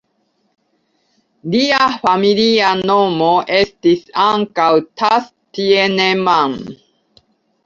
Lia familia nomo estis ankaŭ "Thass-Thienemann".